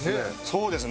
そうですね。